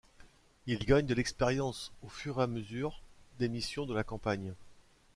Ils gagnent de l’expérience au fur et à mesure des missions de la campagne.